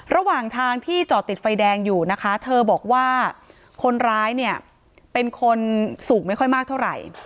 ระหว่างทางที่จอดติดไฟแดงอยู่นะคะเธอบอกว่าคนร้ายเนี่ยเป็นคนสูงไม่ค่อยมากเท่าไหร่